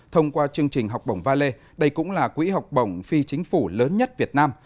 thông qua chương trình học bổng valet đây cũng là quỹ học bổng phi chính phủ lớn nhất việt nam